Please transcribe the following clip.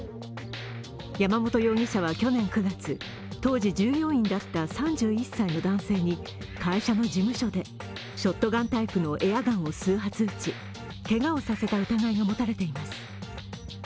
山本容疑者は去年９月当時従業員だった３１歳の男性に会社の事務所でショットガンタイプのエアガンを数発撃ちけがをさせた疑いが持たれています。